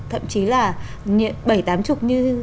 thậm chí là bảy tám chục như